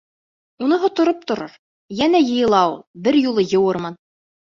Уныһы тороп торор, йәнә йыйыла ул, бер юлы йыуырмын.